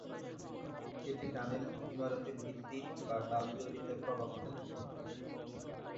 এটি টানেল, ইমারতের ভিত্তি বা ঢাল তৈরিতে প্রভাব ফেলে।